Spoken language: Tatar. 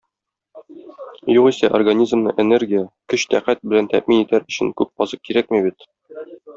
Югыйсә, организмны энергия - көч-тәкать белән тәэмин итәр өчен күп азык кирәкми бит.